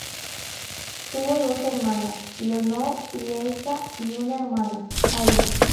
Tuvo dos hermanas, Leonor y Elsa y un hermano, Jaime.